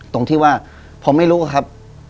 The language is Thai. ตรงที่ว่าพอไม่ลุกครับ